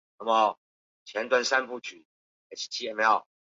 大新县是中国广西壮族自治区崇左市所辖的一个县。